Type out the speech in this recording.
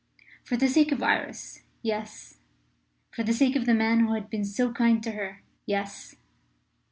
For the sake of Iris yes. For the sake of the man who had been so kind to her yes.